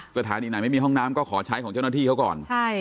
สถานีไหนไม่มีห้องน้ำก็ขอใช้ของเจ้าหน้าที่เขาก่อน